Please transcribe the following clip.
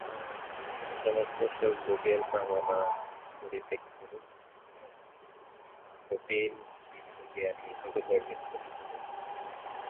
সমস্ত সুখভোগের কামনা পরিত্যাগ করা কঠিন, কিন্তু জ্ঞানীকে ইহা বর্জন করিতে হইবে।